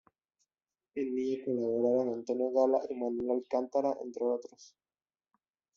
En ella colaboraron Antonio Gala y Manuel Alcántara entre otros.